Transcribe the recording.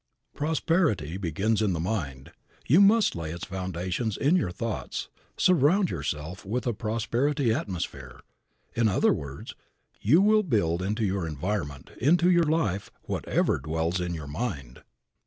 Prosperity begins in the mind. You must lay its foundations in your thoughts, surround yourself with a prosperity atmosphere. In other words, you will build into your environment, into your life, whatever dwells in your mind.